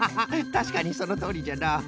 たしかにそのとおりじゃな！